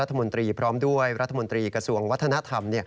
รัฐมนตรีพร้อมด้วยรัฐมนตรีกระทรวงวัฒนธรรม